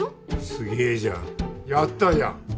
すげえじゃんやったじゃん